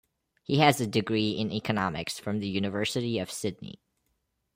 He has a degree in economics from the University of Sydney.